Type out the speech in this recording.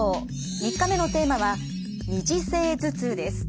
３日目のテーマは二次性頭痛です。